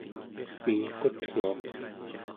mingqutnguaq